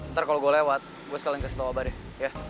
ntar kalau gue lewat gue sekalian kasih tau obar ya